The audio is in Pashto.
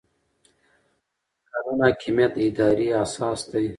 د قانون حاکمیت د ادارې اساس دی.